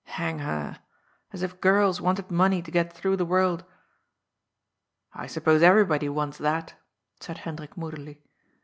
Hang her. As if girls wanted money to get through the world I "" I suppose everybody wants that," said Hendrik moodily.